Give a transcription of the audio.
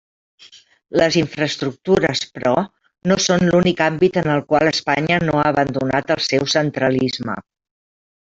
Les infraestructures, però, no són l'únic àmbit en el qual Espanya no ha abandonat el seu centralisme.